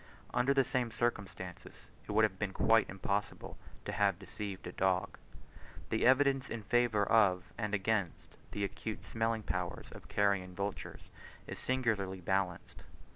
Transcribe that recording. Under the same circumstances, it would have been quite impossible to have deceived a dog. The evidence in favour of and against the acute smelling powers of carrion vultures is singularly balanced.